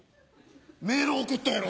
メール送ったやろ？